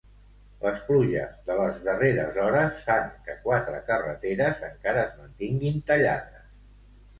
Les pluges de les darreres hores fan que quatre carreteres encara es mantinguin tallades.